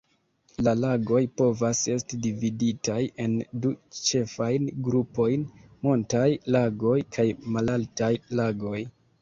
La lagoj povas esti dividitaj en du ĉefajn grupojn: montaj lagoj kaj malaltaj lagoj.